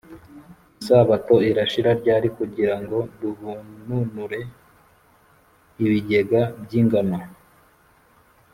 isabato irashira ryari kugira ngo duhununure ibigega by’ingano,